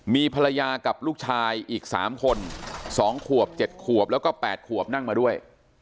มีภรรยากับลูกชายอีก๓คน๒ขวบ๗ขวบแล้วก็๘ขวบนั่งมาด้วย